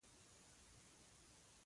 پسه ولاړ دی او لکۍ یې ترې یووړه.